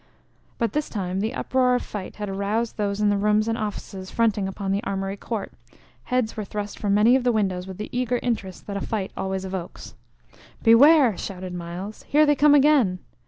By this time the uproar of fight had aroused those in the rooms and offices fronting upon the Armory Court; heads were thrust from many of the windows with the eager interest that a fight always evokes. "Beware!" shouted Myles. "Here they come again!"